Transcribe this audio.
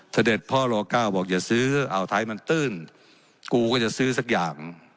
เสด็จพ่อรอเก้าบอกอย่าซื้ออ่าวไทยมันตื้นกูก็จะซื้อสักอย่าง